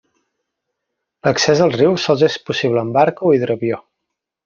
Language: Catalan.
L'accés al riu sols és possible en barca o hidroavió.